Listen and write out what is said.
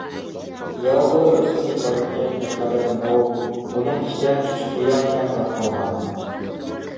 ياۋا دورا ئۆسۈملۈك بايلىقى بىرقەدەر مول، بۇنىڭ ئىچىدە چۈچۈكبۇيا كەڭ تارقالغان.